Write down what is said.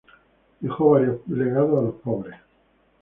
Dejó varios legados a los pobres.